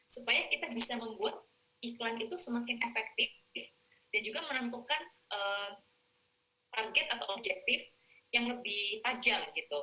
supaya kita bisa membuat iklan itu semakin efektif dan juga menentukan target atau objektif yang lebih tajam gitu